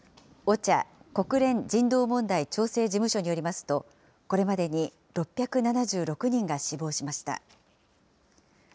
ＯＣＨＡ・国連人道問題調整事務所によりますと、これまでに６７６人が死亡しました。